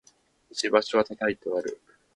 石橋は叩いて渡る